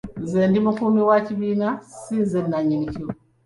Nze ndi mukuumi wa kibiina ssi nze nannyini kyo.